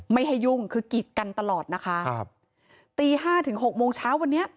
ไม่ให้ยุ่งคือกีดกันตลอดนะคะครับตีห้าถึงหกโมงเช้าวันนี้